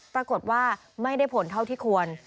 ปรากฏว่าไม่ได้ผลเท่าที่ควร